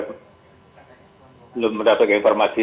belum mendapatkan informasi